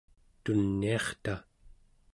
tuniarta